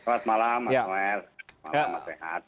selamat malam pak sehat